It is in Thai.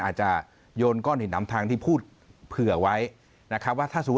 อาจจะโยนก้อนหินนำทางที่พูดเผื่อไว้นะครับว่าถ้าสมมุติ